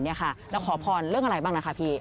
ขอพรเรื่องอะไรบ้างนะคะพี่